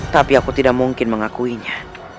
tapi aku tidak mungkin mengakuinya